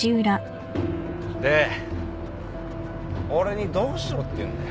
で俺にどうしろっていうんだよ？